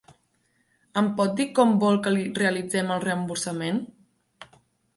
Em pot dir com vol que li realitzem el reemborsament?